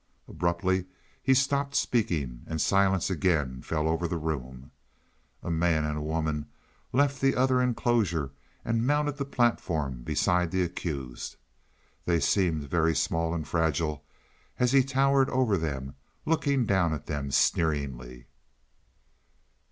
Abruptly he stopped speaking and silence again fell over the room. A man and a woman left the other enclosure and mounted the platform beside the accused. They seemed very small and fragile, as he towered over them, looking down at them sneeringly.